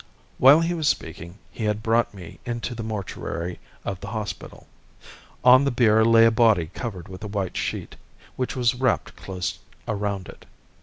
While he was speaking he had brought me into the mortuary of the hospital. On the bier lay a body covered with a white sheet, which was wrapped close round it.